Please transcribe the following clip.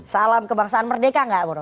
salam kebangsaan merdeka gak boro